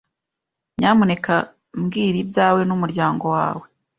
Nyamuneka mbwira ibyawe n'umuryango wawe.